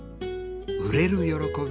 売れる喜び。